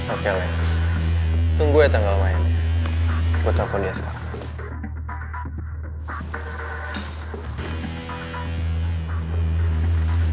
oke lex tunggu ya tanggal mainnya buat telepon dia sekarang